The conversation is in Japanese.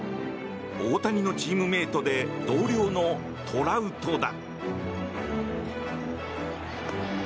大谷のチームメートで同僚のトラウトだ。